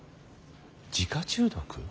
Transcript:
自家中毒。